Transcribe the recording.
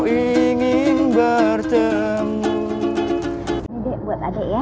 ini dek buat adik ya